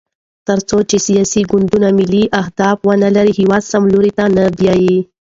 تر څو چې سیاسي ګوندونه ملي اهداف ونلري، هېواد سم لوري ته نه بیايي.